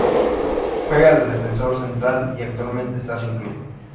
Juega de defensor central y actualmente está sin club.